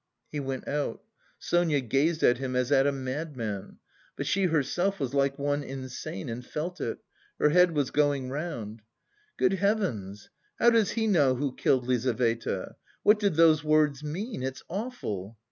He went out. Sonia gazed at him as at a madman. But she herself was like one insane and felt it. Her head was going round. "Good heavens, how does he know who killed Lizaveta? What did those words mean? It's awful!"